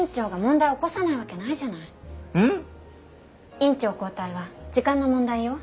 院長交代は時間の問題よ。